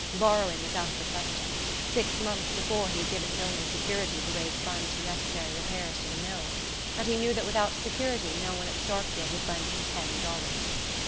Borrowing was out of the question: six months before he had given his only security to raise funds for necessary repairs to the mill, and he knew that without security no one at Starkfield would lend him ten dollars.